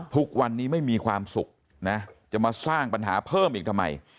ทุกวันนี้ไม่มีความสุขนะจะมาสร้างปัญหาเพิ่มอีกทำไม